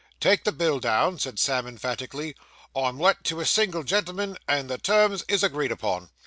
'Take the bill down,' said Sam emphatically. 'I'm let to a single gentleman, and the terms is agreed upon.